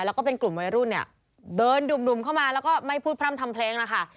แล้วก็เป็นกลุ่มวัยรุ่นเนี่ยเดินดุ่มเข้ามาแล้วก็ไม่พูดพร่ำทำเพลงนะคะ